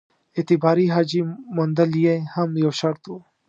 اعتباري حاجي موندل یې هم یو شرط وو.